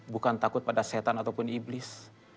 bukan takut pada setan ataupun iblis